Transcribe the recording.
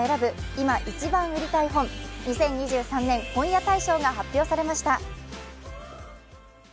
今、一番売りたい本、２０２３年本屋大賞が発表されました。